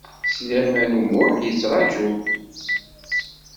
Sliman U Muḥ yettraǧu.